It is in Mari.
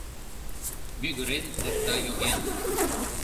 Мӱгырен эрта йоген.